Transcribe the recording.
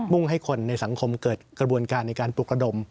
่งให้คนในสังคมเกิดกระบวนการในการปลุกระดม